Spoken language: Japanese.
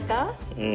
うん。